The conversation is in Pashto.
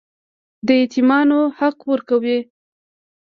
د یتیمانو حق ورکوئ؟